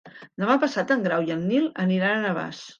Demà passat en Grau i en Nil aniran a Navàs.